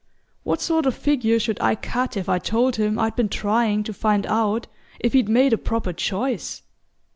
What sort of figure should I cut if I told him I'd been trying to find out if he'd made a proper choice?